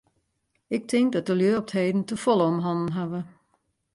Ik tink dat de lju op 't heden te folle om hannen hawwe.